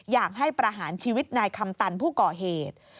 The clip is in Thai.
อยากให้ประหารชีวิตนายคำตันผู้ก่อเหตุ